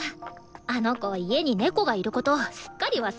あの子家に猫がいることすっかり忘れててさ。